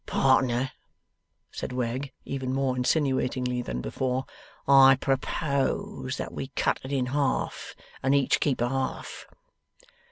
'Partner,' said Wegg, even more insinuatingly than before, 'I propose that we cut it in half, and each keep a half.